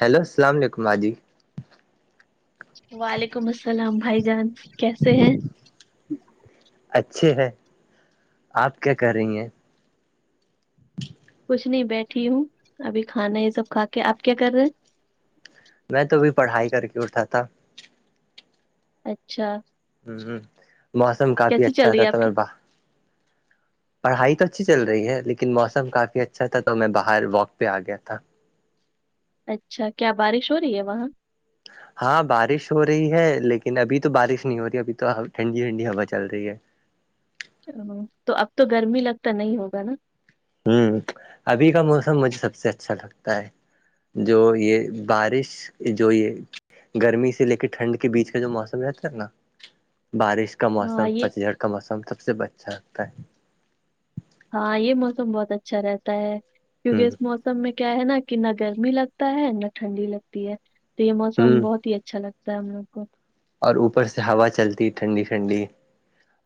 hello السلام علیکم ہا جی وعلیکم السلام بھائی جان کیسے ہیں اچھے ہے آپ کیا کر رہی ہیں کچھ نہیں بیٹھی ہوں ابھی کھانا یہ سب کھا کے آپ کیا کر رہے ہیں میں تو ابھی پڑھائی کر کے اٹھا تھا اچھا ہمم ہمم موسم کافی کیسی اچھا چل رہی تھا ہے ت آپ کی پڑھائی تو اچھی چل رہی ہے لیکن موسم کافی اچھا تھا تو میں باہر واک پہ آ گیا تھا اچھا کیا بارش ہو رہی ہے وہاں ہاں بارش ہو رہی ہے لیکن ابھی تو بارش نہیں ہو رہی ابھی تو ٹھنڈی ٹھنڈی ہوا چل رہی ہے ا تو اب تو گرمی لگتا نہیں ہوگا نا ہوں ابھی کا موسم مجھے سب سے اچھا لگتا ہے جو یہ بارش جو یہ گرمی سے لے کے ٹھنڈ کے بیچ کا جو موسم ہے تھا ہے نا بارش کا ہاں موسم یہ پچیس گھ کا موسم سب سے اچھا لگتا ہے ہاں یہ موسم بہت اچھا رہتا ہے ہے کیونکہ اس موسم میں کیا ہے نا کہ نہ گرمی لگتا ہے نہ ٹھنڈی لگتی ہے تو یہ ہ ہ موسم بہت ہی اچھا لگتا ہے ہم لوگ کو اور اوپر سے ہوا چلتی ٹھنڈی ٹھنڈی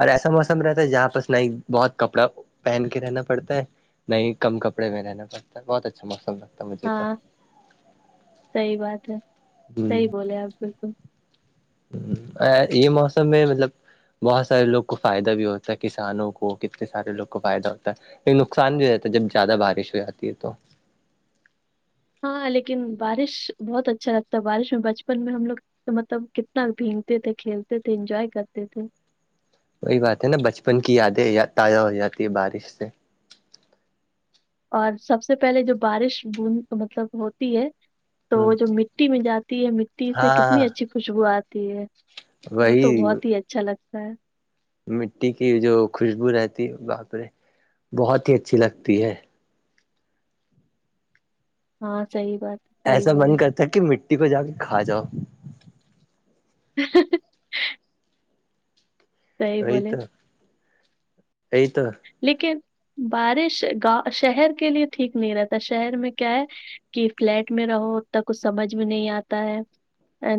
اور ایسا موسم رہتا ہے جہاں پر ن بہت کپڑا پہن کے رہنا پڑتا ہے نہیں کم کپڑے میں رہنا پڑتا ہے بہت اچھا موسم ل ہاں صحی بات ہے صحیح ہ بولے آپ بالکل یہ موسم میں مطلب بہت سارے لوگ کو فائدہ بھی ہوتا ہے کسانوں کو کتنے سارے لوگ کو فائدہ ہوتا ہے ایک نقصان بھی ہو رہتا ہے جب زیادہ بارش ہو جاتی ہے تو ہاں لیکن بارش بہت اچھا لگتا ہے بارش میں بچپن میں ہم لوگ تو مطلب کتنا بھیگتے تھے کھیلتے تھے انجوائے کرتے تھے وہی بات ہے نا بچپن کی یادیں تازہ ہو جاتی ہے بارش سے اور سب سے پہلے جو بارش بند مطلب ہوتی ہے تو ہ وہ جو مٹی میں جاتی ہے مٹی سے کتنی ہاں اچھی خوشبو آتی ہے وہ وہی تو بہت ہی اچھا لگتا ہے مٹی کی جو خوشبو رہتی ہے باپرے بہت ہی اچھی لگتی ہے ہاں صحی بات صحیح ایسا بولے من کرتا ہے کہ مٹی کو جا کے کھا جاؤ [unintelligible] بولے [unintelligible] لیکن بارش گاؤں شہر کے لیے ٹھیک نہیں رہتا شہر میں کیا ہے کہ فلیٹ میں رہو ت کچھ سمجھ میں نہیں آتا ہے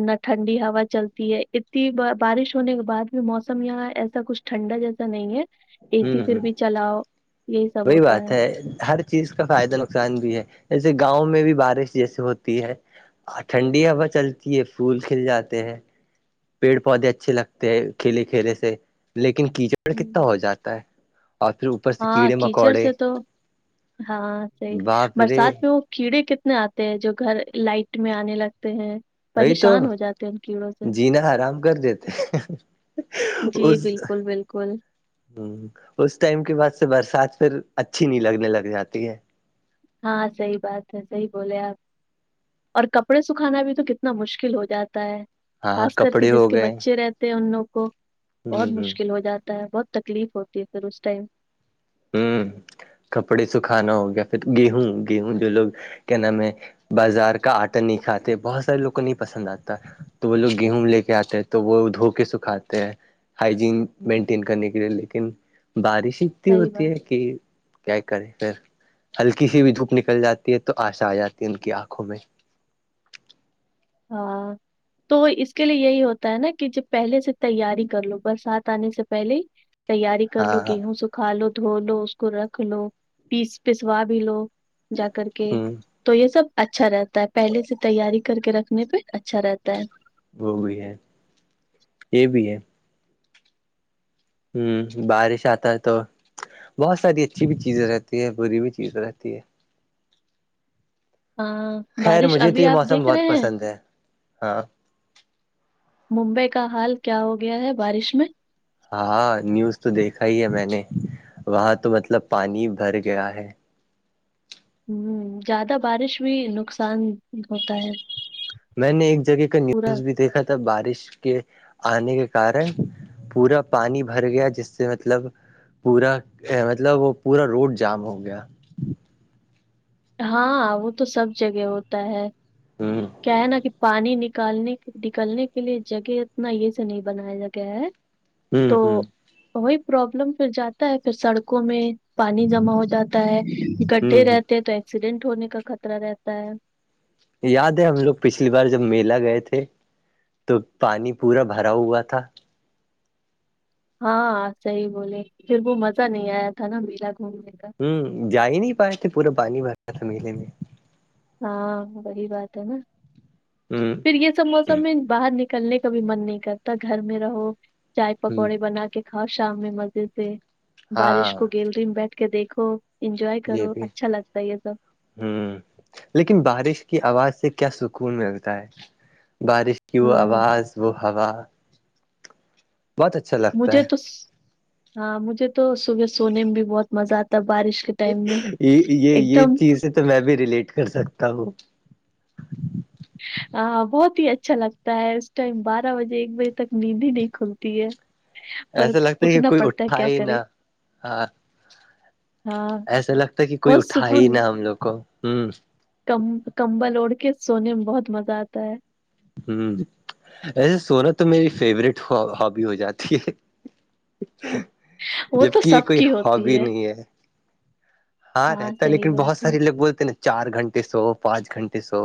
نہ ٹھنڈی ہوا چلتی ہے اتنی بارش ہونے کے بعد بھی موسم یہاں ایسا کچھ ٹھنڈا جیسا نہیں ہے اے ہوں سی ہ پھر بھی چلاؤ یہی سب وہی ہوتا بات ہے ہر چیز کا فائدہ نقصان بھی ہے جیسے گاؤں میں بھی بارش جیسے ہوتی ہے ہ ٹھنڈی ہوا چلتی ہے پھول کھل جاتے ہیں پیڑ پودے اچھے لگتے ہیں کھیلے کھیلے سے لیکن کیچڑ پڑ کتنا ہو ہوں جاتا ہے اورھروپ ہاں کیچڑ سے تو ہاں سحی باپ رے برسات پہ کیڑے کتنے آتے ہیں جو گھر لائٹ میں آنے لگتے ہیں وہی تو پریشان ہو جاتے ہیں ان کیڑوں سے جینا آرام کر دیتے جی بالکل بالکل کل [unintelligible] ہ اس ٹائم کے بعد سے برسات پھر اچھی نہیں لگنے لگ جاتی ہے ہاں صحیح بات ہے صحیح بولے آپ اور کپڑے سکھانا بھی تو کتنا مشکل ہو جاتا ہے ہاں خاص کر کے کپڑے جس ہو کے گئے بچے رہتے ہیں ان لوگ کو ہوں بہت ہ مشکل ہو جاتا ہے بہت تکلیف ہوتی ہے پھر اس ٹائم ہوں کپڑے سکھانا ہو گیا پھر گیہوں گیہوں جو لوگ کیا نام ہے بازار کا آٹا نہیں کاتے بہت سارے لوگ کو نہیں پسند آتا تو وہ لوگ گیہوں لے کے آتے ہیں تو وہ دھو کے سکھاتے ہیں ہائجین مینٹین کرنے کے لیے لیکن بارش اتنی صحیح ہوتی بات ہے کہ کیا کریں پھر ہلکی سی بھی دھوپ نکل جاتی ہے تو آشا آ جاتی ہے ان کی آنکھوں میں ہاں تو اس کے لیے یہی ہوتا ہے نا کہ ج پہلے سے تیاری کر لو برسات آنے سے [unintelligible] پہلے تیاری کر لو ہاں ہاں گیہوں س کھا لو دھو لو اس کو رکھ لو پیس پسوا بھی لو جا کر کے ہوں تو یہ سب اچھا رہتا ہے پہلے سے تیاری کر کے رکھنے پہ اچھا رہتا ہے وہ بھی ہے یہ بھی ہے ہوں بارش آتا ہے تو بہت ساری اچھی بھی چیزیں رہتی ہے بری بھی چیزیں رہتی ہے ہاں خیر بارش مجھے تو ابھی یہ آپ موسم دیکھ بہت رہے ہیں پسند ہے ہاں ممبئی کا حال کیا ہو گیا ہے بارش میں ہاں نیوز تو دیکھا ہی ہے میں نے وہاں تو مطلب پانی بھر گیا ہے ہ زیادہ بارش بھی نقصان ہوتا ہے میں نے ایک جگہ کا پورا نیوز بھی دیکھا تھا بارش کے آنے کے کارن پورا پانی بھر گیا جس سے مطلب پورا مطلب وہ پورا روڈ جام ہو گیا ہاں وہ تو سب جگہ ہوتا ہے ہوں کیا ہے نا کہ پانی ن نکالنے نکالنے کے لیے جگہ اتنا یہ سے نہیں بنایا گیا ہے ہوں تو ہوں وہی پرابلم پھر جاتا ہے پھر سڑکوں میں پانی جمع ہو جاتا ہے گڈھے ہوں رہ ہ ایکسیڈنٹ ہونے کا خطرہ رہتا ہے یاد ہے ہم لوگ پچھلی بار جب میلا گئے تھے تو پانی پورا بھرا ہوا تھا ہاں صحیح بولے پھر وہ مزہ نہیں آیا تھا نا میلا گھومنے کا ہ جا ہی نہیں پائے تھے پورا پانی بھر رہا تھا میلے میں ہاں وہی بات ہے نا ہوں پھر یہ سب موسم میں باہر نکلنے کا بھی من نہیں کرتا گھر میں رہو چائے ہ پکوڑے بنا کے کاؤ شام میں مزے سے ہاں بارش کو گیل رہی میں بیٹھ کے دیکھو [unintelligible] انجوائے یہ کرو بھی اچھا لگتا ہے یہ سب ہوں لیکن بارش کی آواز سے کیا سکون ملتا ہے بارش کی وہ ہوں آواز وہ ہوا بہت اچھا لگتا مجھے تو ہے ہاں مجھے تو صبح سونے میں بھی بہت مزہ آتا ہے بارش کے ٹائم میں یہ یہ ایک یہ دم چیزیں تو میں بھی ریلیٹ کر سکتا ہوں ہ بہت ہی اچھا لگتا ہے اس ٹائم بارہ بجے ایک بجے تک نیند ہی نہیں کھلتی ہے پر ایسا لگتا ہے کہ اٹھنا کوئی پڑتا ہے اٹھا کیا ہی کرے نہ ہاں ہاں ایسا لگتا ہے کہ کوئی بہت اٹھا ہی سکون نہا ہم لوگ کو ہوں کم کمبل اوڑ کے سونے میں بہت مزہ آتا ہے ہ ایسے سونا تو میری فیوریٹ ہابی ہو جاتی ہے وہ تو جبک یہ سب کوئی کی ہوتی ہابی نہیں ہے ہاں رہتا ہے صحیح لیکن بہت بات ہے سارے لوگ بولتے ہیں نا چار گھنٹے سو پانچ گھنٹے سو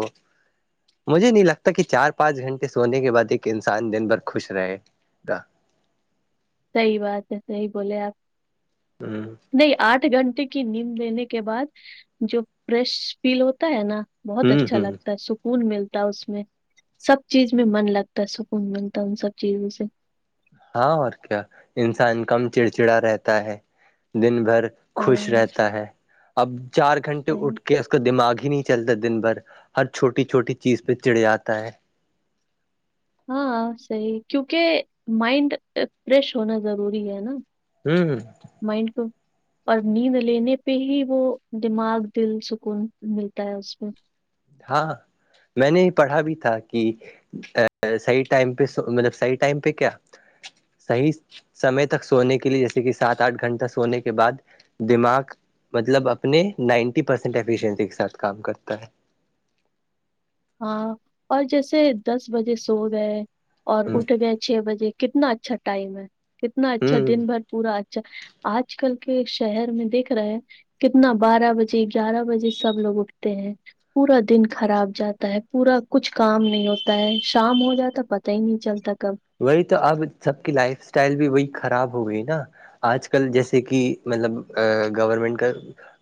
مجھے نہیں لگتا کہ چار پانچ گھنٹے سونے کے بعد ایک انسان دن بھر خوش رہے گا صحیح بات ہے صحیح بولے آپ ہوں نہیں آٹھ گھنٹے کی نیند لینے کے بعد جو فریش فیل ہوتا ہے نا بہت ہوں اچھا ہوں لگتا ہے س سکون ملتا ہے اس میں سب چیز میں من لگتا ہے سکون ملتا ہے ان سب چیزوں سے ہاں اور کیا انسان کم چڑچڑا رہتا ہے دن بھر خوش ہاں رہتا ہے اب چار گھنٹے صحیح اٹھ کے اس کا دماغ ہی نہیں چلتا دن بھر ہر چھوٹی چھوٹی چیز پہ چڑیاتا ہے ہاں صحیح کیونکہ مائنڈ فریش ہونا ضروری ہے نا ہمم مائنڈ تو اور نیند لینے پہ ہی وہ دماغ دل سکون ملتا ہے اس میں ہاں میں نے یہ پڑھا بھی تھا کہ ا صحیح ٹائم پہ مطلب صحیح ٹائم پہ کیا صحیح سمے تک سونے کے لیے جیسے کہ سات آٹھ گھنٹہ سونے کے بعد دماغ مطلب اپنے نائنٹی پرسینٹ ایفیشنسی کے ساتھ کام کرتا ہے ہاں اور جیسے دس بجے سو گئے اور ہ اٹھ گئے چھ بجے کتنا اچھا ٹائم ہے کتنا اچھا ہ دن بھر پورا اچھا آج کل کے شہر میں دیکھ رہے ہیں کتنا بارہ بجے گیارہ بجے سب لوگ اٹھتے ہیں پورا دن خراب جاتا ہوتا ہے پورا کچھ کام نہیں ہوتا ہے شام ہو جاتا پتا ہی نہیں چلتا کب وہی تو اب سب کی لائف اسٹائل بھی وہی خراب ہو گئی نا آج کل جیسے کہ مطلب گورنمنٹ کا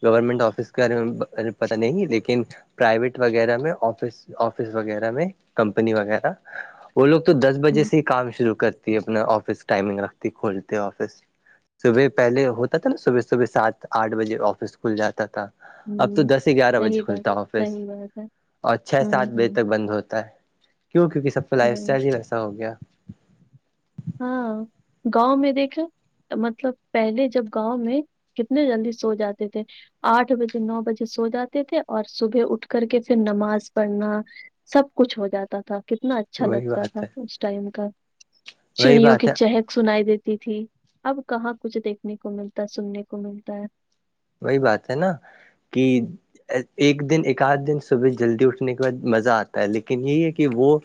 گورنمنٹ آفس کے بارے میں پتا نہیں لیکن پرائیویٹ وغیرہ میں آفس آفس وغیرہ میں کمپنی وغیرہ وہ لوگ تو دس بجے ہوں سے ہی کام شروع کرتی ہے اپنا آفس ٹائمنگ رکھتی کھولتے آفس صبح پہلے ہوتا تھا نا صبح صبح سات آٹھ بجے آفس کھل جاتا تھا اب تو ہوں دس سے گیارہ بجے صحیح بات کھلتا ہے آفس صحیح بات ہے اور چھ ہوں سات بجے ہوں تک بند ہوتا ہے کیوں کیونکہ سب کا لائف وہی اسٹائل ہی ویسا ہو گیا ہاں گاؤں میں دیکھ مطلب پہلے جب گاؤں میں کتنے جلدی سو جاتے تھے آٹھ بجے نو بجے سو جاتے تھے اور صبح اٹھ کر کے پھر نماز پڑھنا سب کچھ ہو جاتا تھا کتنا اچھا وہی لگتا تھا بات ہے اس ٹائم کا وہی چڑیوں کی بات ہے چہت سنائی دیتی تھی اب کہاں کچھ دیکھنے کو ملتا ہے سننے کو ملتا ہے وہی بات ہے نا کہ ایک دن ایک آدھ دن صبح جلدی اٹھنے کے بعد مزہ آتا ہے لیکن یہی ہے کہ وہ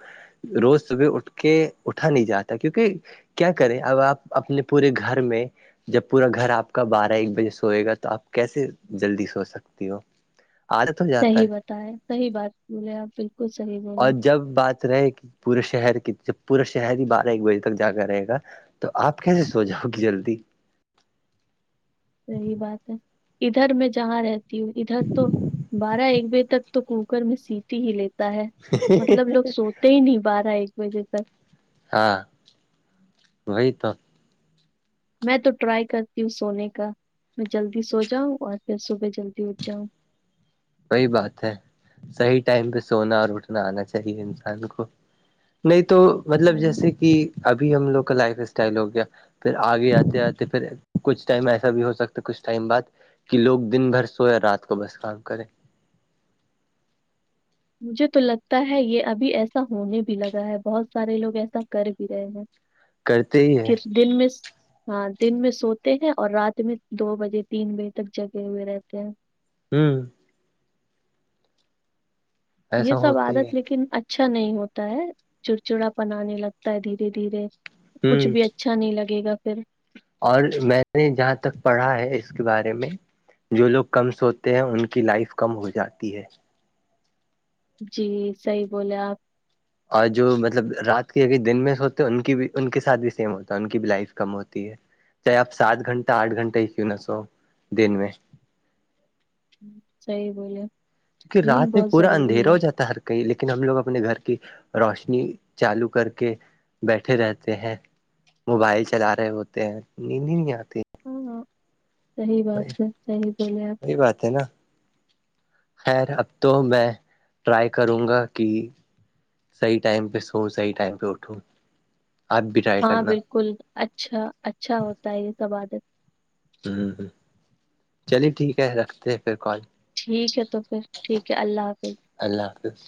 روز صبح اٹھ کے اٹھا نہیں جاتا کیونکہ کیا کریں اب آپ اپنے پورے گھر میں جب پورا گھر آپ کا بارہ ایک بجے سوئے گا تو آپ کیسے جلدی سوچ سکتی ہو آدت صحی بتائےیں صحی بات بولے آپ بالکل صحیح اور بولیں جب بات رہے کہ پورے شہر کی پورا شہر ہی بارہ ایک بجے تک جا کر رہے گا تو آپ کیسے سو جاؤ گی جلدی صحی بات ہے ادھر میں جہاں رہتی ہوں ادھر تو بارہ ایک بجے تک تو کوکر میں سیتی ہی لیتا ہے مطلب لوگ سوتے ہی نہیں بارہ ایک بجے تک ہاں وہی تو میں تو ٹرائی کرتی ہوں سونے کا میں جلدی سو جاؤں اور پھر صبح جلدی اٹھ جاؤں وہی بات ہے صحیح ٹائم پہ سونا اور اٹھنا آنا چاہیے انسان کو نہیں تو مطلب ہاں جیسے کہ ابھی ہم لوگ کا لائف اسٹائل ہو گیا پھر آگے آتے آتے پھر کچھ ٹائم ایسا بھی ہو سکتا کچھ ٹائم بعد کہ لوگ دن بھر سوئے رات کو بس کام کریں مجھے تو لگتا ہے یہ ابھی ایسا ہونے بھی لگا ہے بہت سارے لوگ ایسا کر بھی رہے ہیں کرتے ہی ہے کہ دن میں ہاں دن میں سوتے ہیں اور رات میں دو بجے تین بجے تک جگے ہوئے رہتے ہیں ہوں یہ ایسا سب ہوتا ہی ہے عادت لیکن اچ اچھا نہیں ہوتا ہے چڑچڑا پنانے لگتا ہے دھیرے دھیرے کچھ ہوں بھی اچا اچھا نہیں لگے گا پھر اور میں نے جہاں تک پڑھا ہے اس کے بارے میں جو لوگ کم سوتے ہیں ان کی لائف کم ہو جاتی ہے جی صحیح بولے آپ اور جو مطلب رات کے دن میں ہوتے ان کی بھی ان کے ساتھ بھی سیم ہوتا ہے ان کی بھی لائف کم ہوتی ہے چاہے آپ سات گھنٹہ آٹھ گھنٹہ ہی کیوں نہ سو دن میں صحی بولے کیک نیند رات میں بہت پورا اندھیا ضروری ہے ہو جاتا ہر کہ لیکن ہم لوگ اپنے گھر کی روشنی چالو کر کے بیٹھے رہتے ہیں موبائل چلا رہے ہوتے ہیں نیندی نہیں آتی ہاں ہاں صحیح بات ہے صحیح بولے آپ یہی بات ہے نا خیر اب تو میں ٹرائی کروں گا کہ سحی ٹائم پہ سوحی ائم پہ اٹھو ہاں بالکل اچھا اچھا ہوتا ہے یہ سب عادت ہ ہ چلیے ٹھیک ہے رکھتے ہیں پھر کال ٹھیک ہے تو پھر ٹھیک ہے اللہ حافظ اللہ حافظ